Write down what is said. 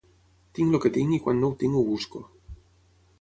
Tinc el que tinc i quan no ho tinc ho busco